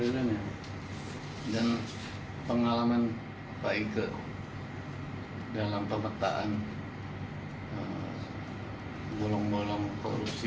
dan pengalaman pak ike dalam pemetaan golong golong korupsi